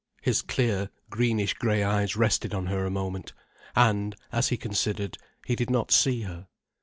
His clear, greenish grey eyes rested on her a moment, and, as he considered, he did not see her.